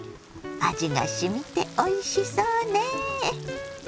味がしみておいしそうね。